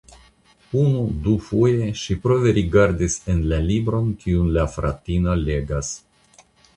Unu, du foje ŝi prove rigardis en la libron kiun la fratino legas.